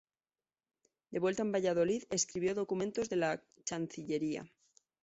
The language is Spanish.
De vuelta en Valladolid escribió documentos de la Chancillería.